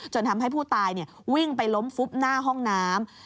ทำให้ผู้ตายวิ่งไปล้มฟุบหน้าห้องน้ำ